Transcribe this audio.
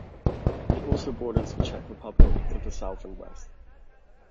It also borders the Czech Republic to the south and west.